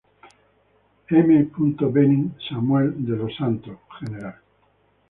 M. Bening, Samuel de los Santos, Gral.